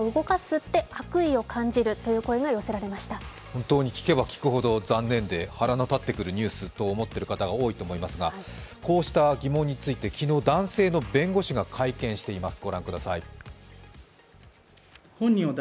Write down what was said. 本当に聞けば聞くほど残念で腹の立ってくるニュースと思っている方が多いと思いますがこうした疑問について昨日、男性の弁護士が会見をしています。